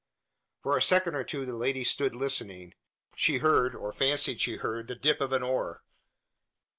For a second or two the lady stood listening. She heard, or fancied she heard, the dip of an oar.